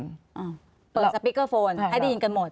เปิดสปิกเกอร์โฟนให้ได้ยินกันหมด